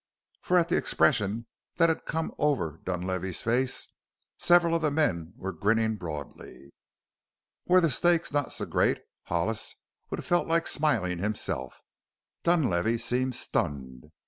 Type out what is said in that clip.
For at the expression that had come over Dunlavey's face several of the men were grinning broadly. Were the stakes not so great Hollis would have felt like smiling himself. Dunlavey seemed stunned.